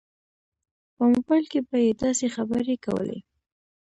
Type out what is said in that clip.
په موبایل کې به یې داسې خبرې کولې.